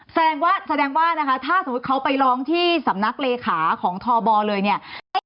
แสดงว่าแสดงว่านะคะถ้าสมมุติเขาไปร้องที่สำนักเลขาของทบเลยเนี่ย